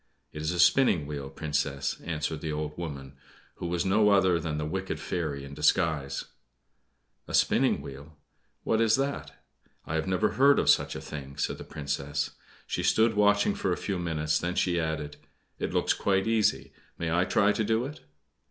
"It is a spinning wheel, Princess," answered the old woman, who was no other than the wicked fairy in disguise. "A spinning wheel what is that? I have never heard of such a thing," said the Princess. She stood watching for a few minutes, then she added: "It looks quite easy. May I try to do it?"